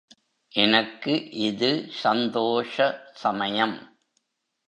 எனக்கு இது சந்தோஷ சமயம்.